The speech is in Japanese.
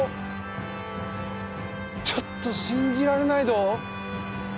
ちょっと信じられないどう！